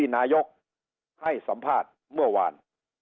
นายกให้สัมภาษณ์เมื่อวาน